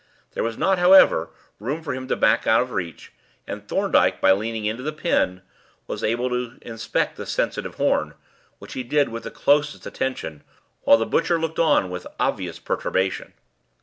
There was not, however, room for him to back out of reach, and Thorndyke, by leaning into the pen, was able to inspect the sensitive horn, which he did with the closest attention, while the butcher looked on with obvious perturbation.